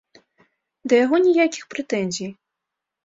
Да яго ніякіх прэтэнзій.